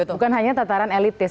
bukan hanya tataran elitis